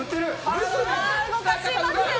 動かします！